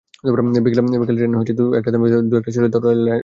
বিকেলে ট্রেন দু-একটা থেমে থাকত, দু-একটা চলে যেত রেল লাইনের বুক চিরে।